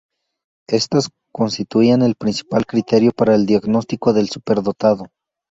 Estas constituían el principal criterio para el diagnóstico del superdotado.